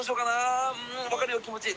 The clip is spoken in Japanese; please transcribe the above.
「わかるよ気持ち。